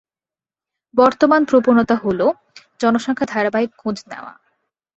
বর্তমান প্রবণতা হল জনসংখ্যার ধারাবাহিকতার খোঁজ নেওয়া।